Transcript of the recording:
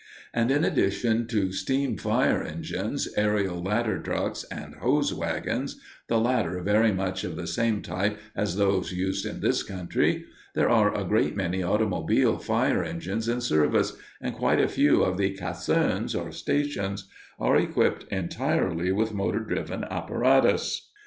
And in addition to steam fire engines, aërial ladder trucks, and hose wagons the latter very much of the same type as those used in this country there are a great many automobile fire engines in service, and quite a few of the casernes, or stations, are equipped entirely with motor driven apparatus.